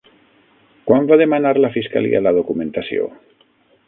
Quan va demanar la fiscalia la documentació?